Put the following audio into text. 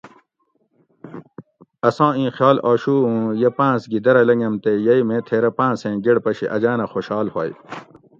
اساں ایں خیال آشو اوں یہ پاۤنس گھی درہ لۤنگم تے یئی میں تھیرہ پانسیں گیڑ پشی اجانہ خوشال ہوئے